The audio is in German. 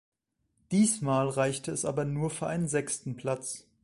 Diesmal reichte es aber nur für einen sechsten Platz.